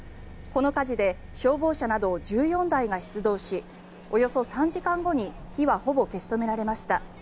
この火事で消防車など１４台が出動しおよそ３時間後に火はほぼ消し止められました。